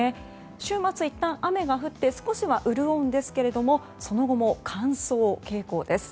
週末いったん雨が降って少しは潤うんですけれどもその後も乾燥傾向です。